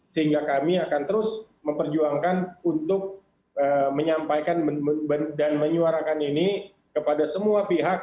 sehingga kami akan terus memperjuangkan untuk menyampaikan dan menyuarakan ini kepada semua pihak